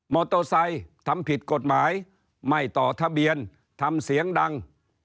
โตไซค์ทำผิดกฎหมายไม่ต่อทะเบียนทำเสียงดัง